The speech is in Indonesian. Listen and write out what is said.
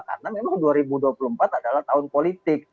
karena memang dua ribu dua puluh empat adalah tahun politik